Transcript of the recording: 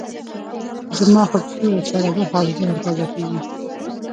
زما خو بيخي ورسره روح او ذهن تازه کېږي.